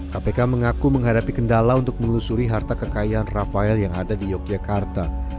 kpk mengaku menghadapi kendala untuk menelusuri harta kekayaan rafael yang ada di yogyakarta